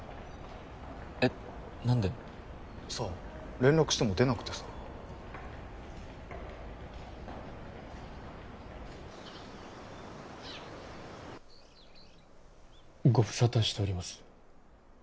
連絡しても出なくてさご無沙汰しております